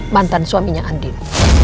mantan suaminya andin